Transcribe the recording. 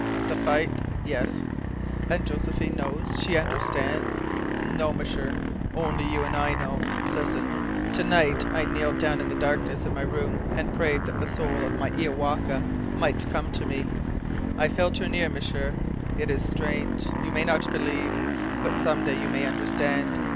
"The fight?" "Yes." "And Josephine knows? She understands?" "No, M'sieur. Only you and I know. Listen: To night I kneeled down in darkness in my room, and prayed that the soul of my Iowaka might come to me. I felt her near, M'sieur! It is strange you may not believe but some day you may understand.